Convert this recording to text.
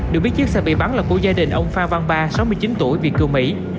được biết chiếc xe bị bắn là của gia đình ông phan văn ba sáu mươi chín tuổi việt kiều mỹ